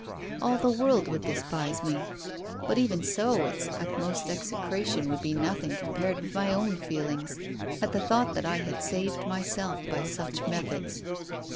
All the world would despise me. But even so, its utmost execration would be nothing compared with my own feelings at the thought that I had saved myself by such methods."